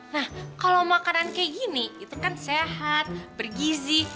nah kalau makanan kayak gini itu kan sehat bergizi